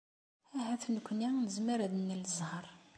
Ahat nekkni nezmer ad nel zzheṛ.